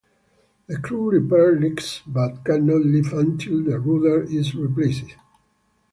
The crew repair leaks, but cannot leave until the rudder is replaced.